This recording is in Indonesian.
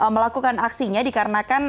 melakukan aksinya dikarenakan